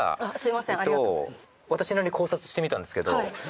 私なりに考察してみたんですけど。